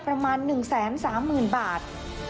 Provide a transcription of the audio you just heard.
ประมาณ๑๓๐๐๐บาท